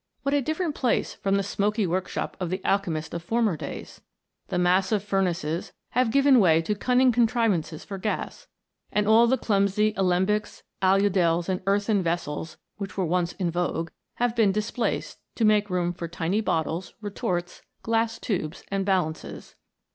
What a different place from the smoky workshop of the alchemist of former days ! The massive furnaces have given way to cunning contrivances for gas, and all the clumsy alembics, aludels, and earthen vessels which were once in vogue, have been displaced to make room for tiny bottles, retorts, glass tubes, and balances.